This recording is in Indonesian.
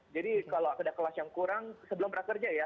kalau ada kelas yang kurang sebelum prakerja ya